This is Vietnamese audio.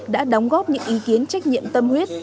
đã đóng góp những ý kiến trách nhiệm tâm huyết